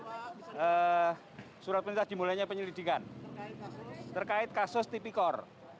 ini adalah surat perintah dimulainya penyelidikan terkait kasus tipikor